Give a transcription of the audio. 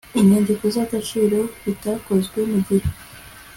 inyandiko z'agaciro ritakozwe mu gihe